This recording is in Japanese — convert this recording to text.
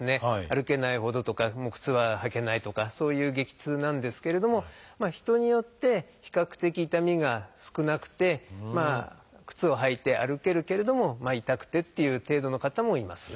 歩けないほどとか靴は履けないとかそういう激痛なんですけれども人によって比較的痛みが少なくてまあ靴を履いて歩けるけれどもまあ痛くてっていう程度の方もいます。